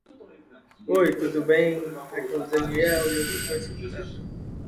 Massacre da serra elétrica